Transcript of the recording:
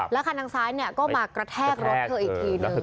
แล้วคันทางซ้ายก็มากระแทกรถเธออีกทีนึง